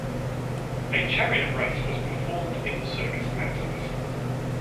A chariot race was performed in the Circus Maximus.